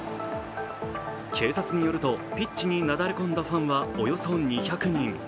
警察によると、ピッチになだれ込んだファンはおよそ２００人